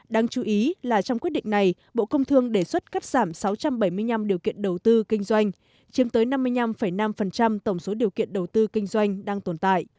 đáng chú ý là trong quyết định này bộ công thương đề xuất cắt giảm sáu trăm bảy mươi năm điều kiện đầu tư kinh doanh chiếm tới năm mươi năm năm tổng số điều kiện đầu tư kinh doanh đang tồn tại